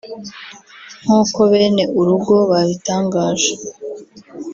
nkuko bene urugo babitangaje